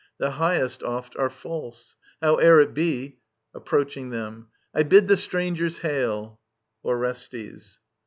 The highest oft are false. ... Howe'er it be, [Approaching them. I bid the strangers hail ! Orestes.